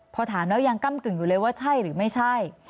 พอถามแล้วยังก้ำกึ่งอยู่เลยว่าใช่หรือไม่ใช่